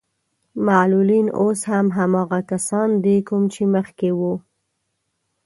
معلولين اوس هم هماغه کسان دي کوم چې مخکې وو.